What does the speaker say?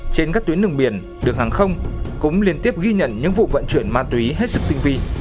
trên các tuyến đường biển đường hàng không cũng liên tiếp ghi nhận những vụ vận chuyển ma túy hết sức tinh vi